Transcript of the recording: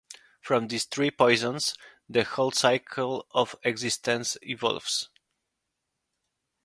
From these three poisons, the whole cycle of existence evolves.